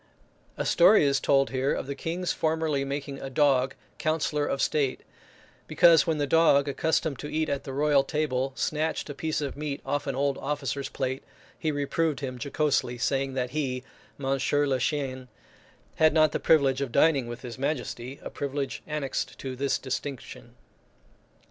A story is told here of the King's formerly making a dog counsellor of state, because when the dog, accustomed to eat at the royal table, snatched a piece of meat off an old officer's plate, he reproved him jocosely, saying that he, monsieur le chien, had not the privilege of dining with his majesty, a privilege annexed to this distinction.